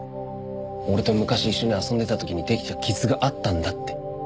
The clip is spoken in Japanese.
俺と昔一緒に遊んでた時にできた傷があったんだって。